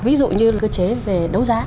ví dụ như cơ chế về đấu giá